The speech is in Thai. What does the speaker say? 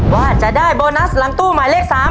ว่าจะได้โบนัสหลังตู้หมายเลข๓